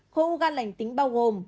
khối u gan lành tính bao gồm